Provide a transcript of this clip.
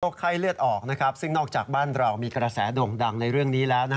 ไข้เลือดออกซึ่งนอกจากบ้านเรามีกระแสโด่งดังในเรื่องนี้แล้ว